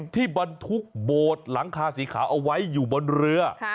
บรรทุกโบสถ์หลังคาสีขาวเอาไว้อยู่บนเรือ